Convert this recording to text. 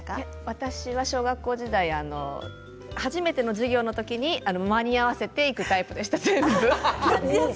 私は小学校時代初めて授業の時に間に合わせていくタイプでした。